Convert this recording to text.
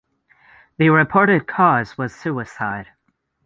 The reported cause was suicide.